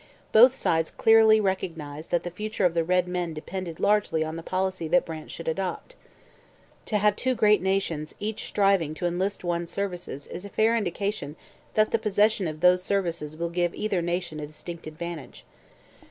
Both sides clearly recognized that the future of the red men depended largely on the policy that Brant should adopt. To have two great nations each striving to enlist one's services is a fair indication that the possession of those services will give either nation a distinct advantage.